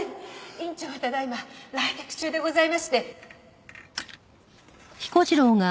院長はただ今来客中でございまして。